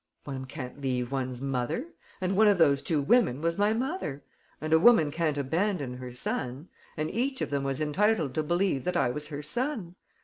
"One can't leave one's mother; and one of those two women was my mother. And a woman can't abandon her son; and each of them was entitled to believe that I was her son.